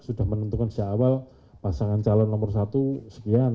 sudah menentukan sejak awal pasangan calon nomor satu sekian